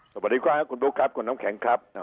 สวัสดีค่ะคุณลูกครับคุณน้ำแข็งครับ